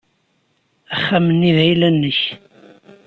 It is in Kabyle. Axxam-nni d ayla-nnek.